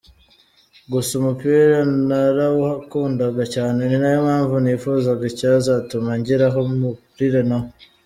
Gusa umupira narawukundaga cyane ni nayo mpamvu nifuzaga icyazatuma ngira aho mpurira nawo.